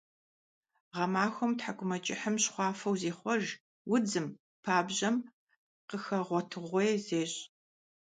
Гъэмахуэм тхьэкIумэкIыхьым щхъуафэу зехъуэж, удзым, пабжьэм къыхэгъуэтэгъуей зещI.